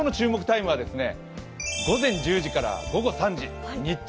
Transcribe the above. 今日の注目タイムは午前１０時から午後３時。